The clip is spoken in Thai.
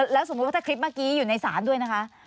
แล้วสมมุติว่าถ้าคลิปเมื่อกี้อยู่ในศาลด้วยนะคะ